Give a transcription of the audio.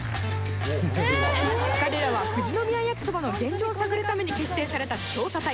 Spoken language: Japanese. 彼らは富士宮やきそばの現状を探るために結成された調査隊。